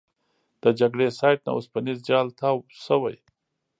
د جګړې سایټ نه اوسپنیز جال تاو شوی.